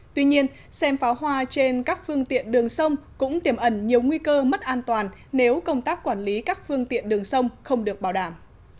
tuy nhiên xem pháo hoa trên các phương tiện đường sông cũng tiềm ẩn nhiều nguy cơ mất an toàn nếu công tác quản lý các phương tiện đường sông không được bảo đảm